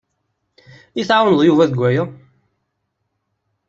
I tɛawneḍ Yuba deg waya?